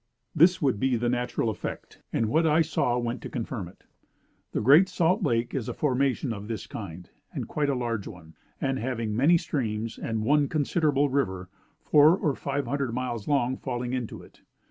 This would be the natural effect; and what I saw went to confirm it. The Great Salt Lake is a formation of this kind, and quite a large one; and having many streams, and one considerable river, four or five hundred miles long, falling into it.